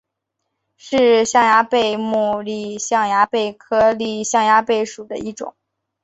是象牙贝目丽象牙贝科丽象牙贝属的一种。